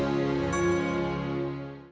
sampai jumpa lagi